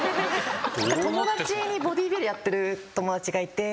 友達にボディビルやってる友達がいて。